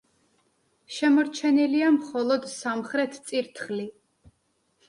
შემორჩენილია მხოლოდ სამხრეთ წირთხლი.